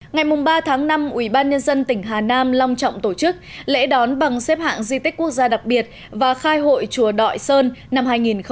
ngày ba tháng năm ủy ban nhân dân tỉnh hà nam long trọng tổ chức lễ đón bằng xếp hạng di tích quốc gia đặc biệt và khai hội chùa đọi sơn năm hai nghìn một mươi tám